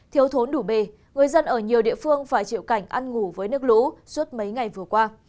thiếu thốn đủ bề người dân ở nhiều địa phương phải chịu cảnh ăn ngủ với nước lũ suốt mấy ngày vừa qua